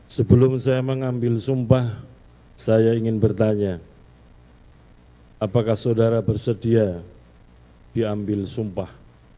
sebelum saya mengambil sumpah saya ingin bertanya apakah saudara bersedia diambil sumpah